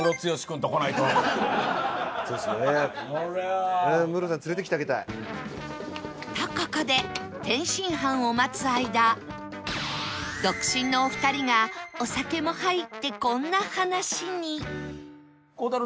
とここで天津飯を待つ間独身のお二人がお酒も入ってこんな話に